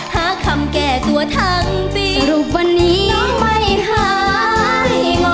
หาคำแก้ตัวทั้งปีรูปวันนี้ไม่หายงอ